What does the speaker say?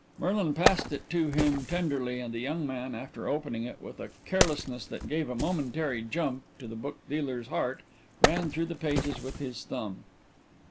Merlin passed it to him tenderly and the young man, after opening it with a carelessness that gave a momentary jump to the book dealer's heart, ran through the pages with his thumb.